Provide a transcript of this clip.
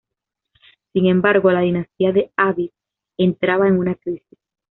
Sin embargo, la dinastía de Avís entraba en una crisis.